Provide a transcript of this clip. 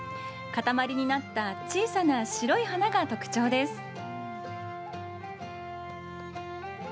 固まりになった小さな白い花が特徴です。